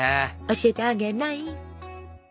教えてあげない。